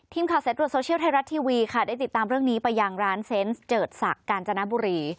ทีมข่าวเซ็ทบริษัทโซเชียลไทยรัฐทีวีค่ะได้ติดตามเรื่องนี้ไปอย่างร้านเซ็นส์เจิดศักดิ์การจนบุรี